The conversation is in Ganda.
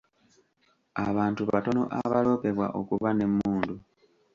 Abantu batono abaloopebwa okuba n'emmundu.